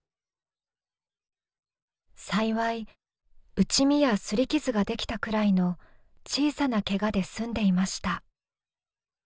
幸い打ち身や擦り傷ができたくらいの小さなけがで済んでいました。